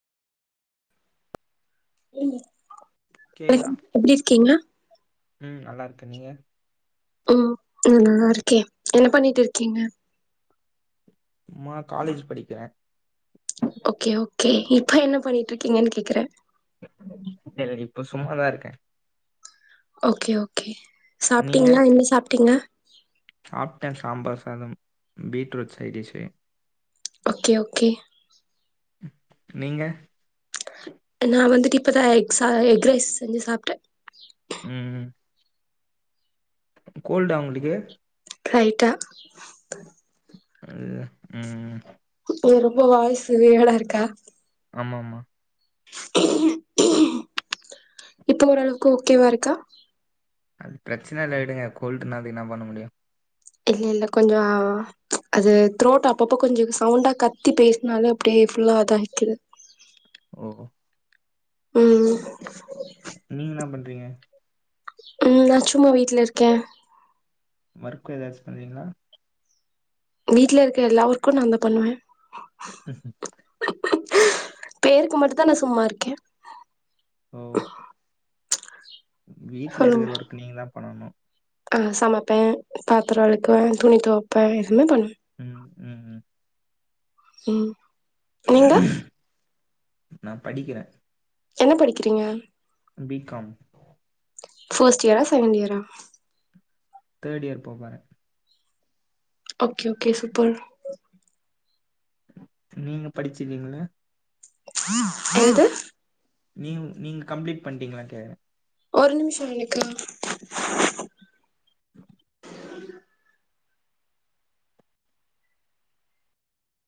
கேக்குதா எப்டி இருக்கீங்க ம் நல்லாயிருக்கு நீங்கள் ம் நான் நல்லாருக்கேன் என்ன பண்ணிட்டு இருக்கீங்க சும்மா காலேஜ் படிக்கிறேன் ஓகே ஓகே இப்ப என்ன பண்ணிட்டு இருக்கீங்கன்னு கேக்குறேன் இப்போ சும்மா தான் இருக்கேன் ஓகே ஓகே சாப்ட்டீங்களா என்ன சாப்ட்டீங்க சாப்ட்டேன் சாம்பார் சாதம் பீட்ரூட் சைட்டிஷ் ஓகே ஓகே நீங்க நான் வந்துட்டு இப்பதான் எக் எக் ரைஸ் செஞ்சு சாப்ட்டேன் ம்ம் கோல்டா உங்களுக்கு லைட்டா அ ம் ஏ ரொம்ப வாயசு வெயிர்டா இருக்கா ஆமா ஆமா [unintelligible] இப்ப ஓரளவுக்கு ஓகேவாருக்கா அது பிரச்சனைல்ல விடுங்க கோல்டுன என்ன பண்ண முடியும் இல்ல இல்ல கொஞ்சோ அ அது த்ரோட் அப்பப்ப கொஞ்சம் சவுண்டா கத்தி பேசுனாலே அப்டியே ஃபுல்லா அத ஆகிக்குது ஓ ம் நீங்க என்ன பண்றீங்க ம் நா சும்மா வீட்லருக்கே ஒர்க்கு ஏதாச்சு பண்ணுவீங்ளா வீட்ல இருக்க எல்லா ஒர்க்கு நான்தா பண்ணுவே ம் பேருக்கு மட்டுதா நா சும்மாருக்கே ஓ வீட்ல சொல்லுங்க இருக்கிற ஒர்க் நீங்கதா பண்ணணு ஆ சமப்பே பாத்ர வெலக்குவே துணி தொவப்பே எதுமே பண்ணுவே ம் ம் ம் ம் நீங்க நா படிக்கிறே என்ன படிக்கிறீங்க பி காம் பர்ஸ்ட் இயரா செகண்ட் இயரா தேர்ட் இயர் போ போறே ஓகே ஓகே சூப்பர் நீங்க படுச்சுருக்கீங்ள என்னது நீங் நீங்க கம்ப்ளீட் பண்ணிட்டீங்ளா கேக்குறே ஒரு நிமிஷ எனக்கு